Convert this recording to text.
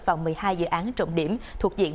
vào một mươi hai dự án trọng điểm thuộc diện